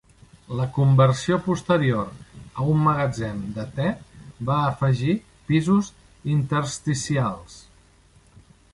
La conversió posterior a un magatzem de te va afegir pisos intersticials.